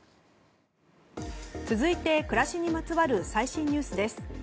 続いて、暮らしにまつわる最新ニュースです。